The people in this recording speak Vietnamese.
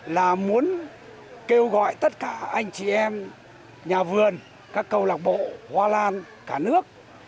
là muốn kêu gọi tất cả anh chị em nhà vườn các câu lạc bộ hoa lan cả nước